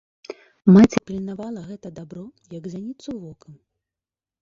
Маці пільнавала гэта дабро, як зяніцу вока.